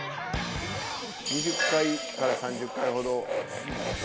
２０回から３０回ほど。